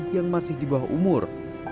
yang masih di bawah umur